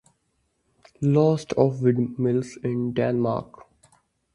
List of windmills in Denmark